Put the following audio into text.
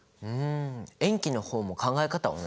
塩基の方も考え方は同じだね。